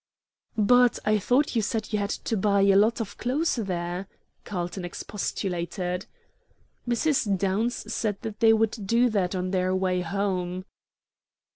"But I thought you said you had to buy a lot of clothes there?" Carlton expostulated. Mrs. Downs said that they would do that on their way home.